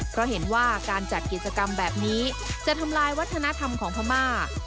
เพราะเห็นว่าการจัดกิจกรรมแบบนี้จะทำลายวัฒนธรรมของพม่า